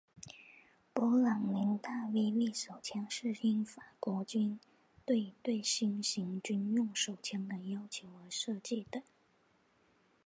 勃朗宁大威力手枪是应法国军队对新型军用手枪的要求而设计的。